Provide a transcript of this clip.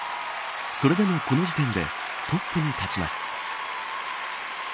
それでもこの時点でトップに立ちます。